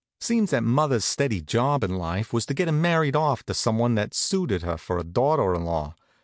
Seems that mother's steady job in life was to get him married off to some one that suited her for a daughter in law.